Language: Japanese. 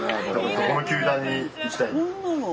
どこの球団に行きたい？